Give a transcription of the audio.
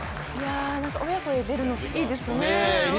親子で出るの、いいですね。